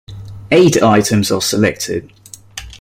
Eight items are selected.